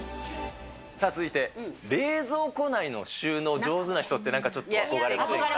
さあ続いて、冷蔵庫内の収納上手な人って、なんかちょっと憧れませんか？